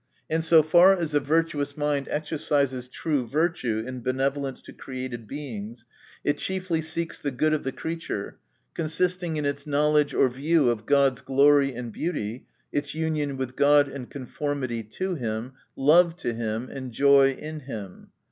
— And so far as a virtuous mind exercises true virtue in benevo lence to created Beings, it chiefly seeks the good of the creature, consisting in its knowledge or view of God's glory and beauty, its union with God, and con formity to him, love to him, and joy in him.